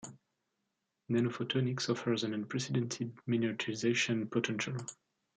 Nanophotonics offers an unprecedented miniaturization potential.